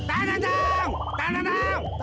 aku juga nggak tau